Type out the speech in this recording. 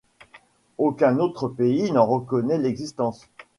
Aucun autre pays n'en reconnaît l'existence.